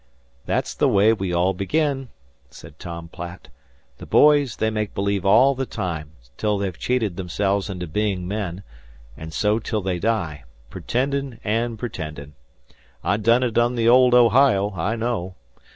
"That's the way we all begin," said Tom Platt. "The boys they make believe all the time till they've cheated 'emselves into bein' men, an' so till they die pretendin' an' pretendin'. I done it on the old Ohio, I know.